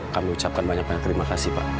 kami ucapkan banyak banyak terima kasih pak